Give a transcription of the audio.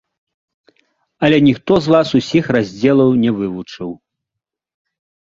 Але ніхто з вас усіх раздзелаў не вывучыў.